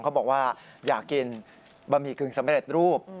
เขาบอกว่าอยากกินบะหมี่กึ่งสำเร็จรูป